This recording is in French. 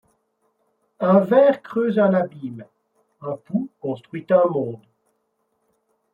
Un ver creuse un abîme, un pou construit un monde ;